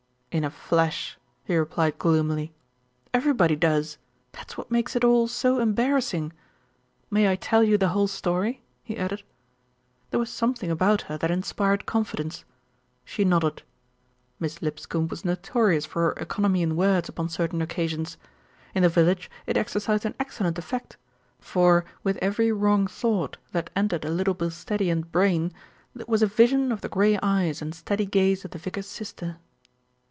"In a flash," he replied gloomily. "Everybody does. That's what makes it all so embarrassing. May I tell you the whole story?" he added. There was something about her that inspired confidence. She nodded. Miss Lipscombe was notorious for her economy in words upon certain occasions. In the vil lage it exercised an excellent effect; for, with every wrong thought that entered a Little Bilsteadian brain, was a vision of the grey eyes and steady gaze of the vicar's sister.